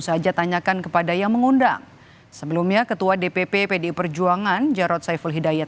saja tanyakan kepada yang mengundang sebelumnya ketua dpp pdi perjuangan jarod saiful hidayat